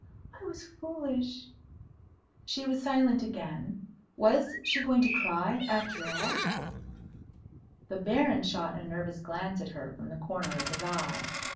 I was foolish." She was silent again. Was she going to cry, after all? The Baron shot a nervous glance at her from the corner of his eye.